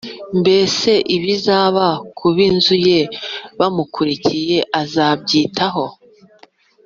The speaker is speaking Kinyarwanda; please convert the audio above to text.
mbese ibizaba ku b’inzu ye bamukurikiye azabyitaho,